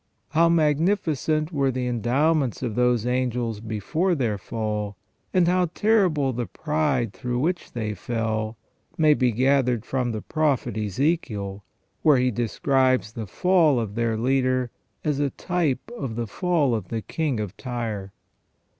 How magnificent were the endowments of those angels before their fall, and how terrible the pride through which they fell, may 286 THE FALL OF MAN be gathered from the prophet Ezechiel, where he describes the fall of their leader as a type of the fall of the king of Tyre.